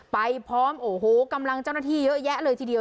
ไปพร้อมโอ้โหกำลังเจ้าหน้าที่เยอะแยะเลยทีเดียว